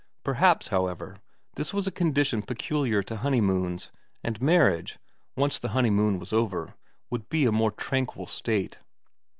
Perhaps, however, this was a condition peculiar to honeymoons, and marriage, once the honeymoon was over, would be a more tranquil state.